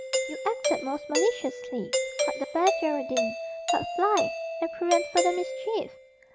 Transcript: "You acted most maliciously," cried the Fair Geraldine; "but fly, and prevent further mischief."